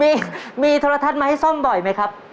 ยินมีทรทัศน์ไม้ส้มบ่อยไหมครับ